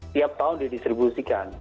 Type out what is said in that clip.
tiap tahun didistribusikan